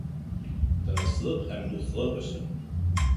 Тыныслыҡ һәм дуҫлыҡ өсөн!